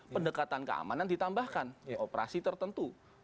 pendekatan keamanan ditambahkan operasi tertentu